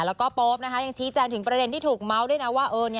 แล้วก็โป๊ปยังชี้แจงถึงประเด็นที่ถูกเมาส์ด้วยนะว่า